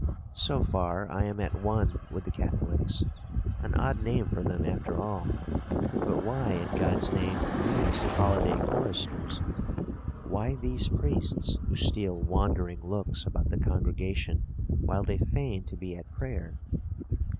So far I am at one with the Catholics:—an odd name for them, after all? But why, in God's name, these holiday choristers? why these priests who steal wandering looks about the congregation while they feign to be at prayer?